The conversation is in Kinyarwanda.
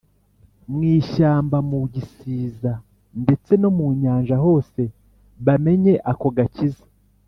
Mw ishyamba mu gisiza Ndetse no mu nyanja hose Bamenye ako gakiza